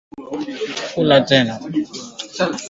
Kuwatenga wanyama walioathirika na wale ambao wako salama